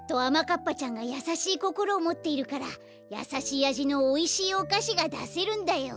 かっぱちゃんがやさしいこころをもっているからやさしいあじのおいしいおかしがだせるんだよ。